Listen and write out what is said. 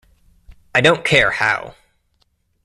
I don't care how.